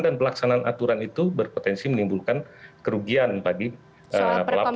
dan pelaksanaan aturan itu berpotensi menimbulkan kerugian bagi pelapor